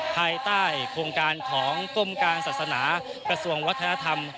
ภายใต้โครงการของกรมการศาสนากระทรวงวัฒนธรรม